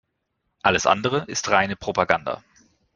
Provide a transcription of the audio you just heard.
Alles andere ist reine Propaganda.